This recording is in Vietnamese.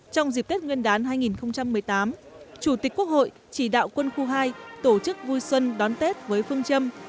trong dịp tết nguyên đán hai nghìn một mươi tám chủ tịch quốc hội chỉ đạo quân khu hai tổ chức vui xuân đón tết với phương châm